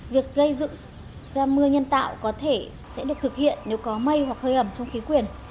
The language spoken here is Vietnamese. việc gây dựng ra mưa nhân tạo có thể sẽ được thực hiện nếu có mây hoặc hơi ẩm trong khí quyển